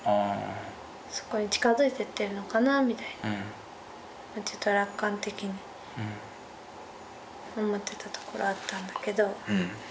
そこに近づいてってるのかなみたいに楽観的に思ってたところあったんだけど。